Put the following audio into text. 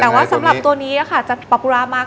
แต่ว่าสำหรับตัวนี้ค่ะจะปรับปุระมาก